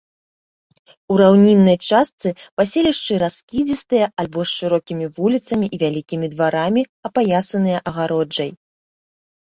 У раўніннай частцы паселішчы раскідзістыя альбо з шырокімі вуліцамі і вялікімі дварамі, апаясаныя агароджай.